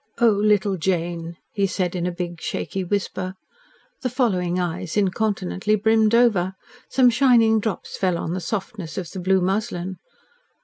"Oh, little Jane!" he said in a big, shaky whisper. The following eyes incontinently brimmed over. Some shining drops fell on the softness of the blue muslin.